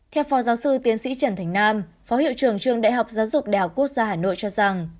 theo phó giáo sư tiến sĩ trần thành nam phó hiệu trường trường đại học giáo dục đh quốc gia hà nội cho rằng